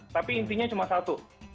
tapi intinya cuma satu